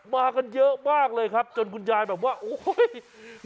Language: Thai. มากันเยอะมากเลยครับจนคุณยายแบบว่าโอ้ย